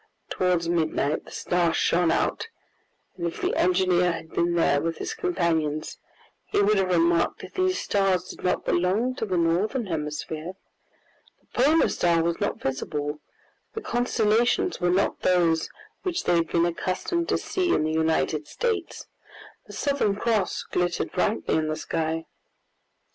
Towards midnight the stars shone out, and if the engineer had been there with his companions he would have remarked that these stars did not belong to the Northern Hemisphere. The Polar Star was not visible, the constellations were not those which they had been accustomed to see in the United States; the Southern Cross glittered brightly in the sky.